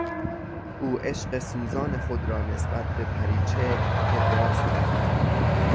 او عشق سوزان خود را نسبت به پریچهر ابراز کرد.